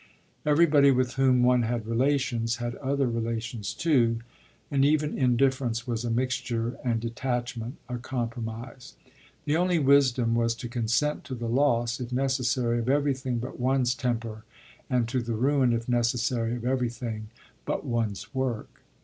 Everybody with whom one had relations had other relations too, and even indifference was a mixture and detachment a compromise. The only wisdom was to consent to the loss, if necessary, of everything but one's temper and to the ruin, if necessary, of everything but one's work.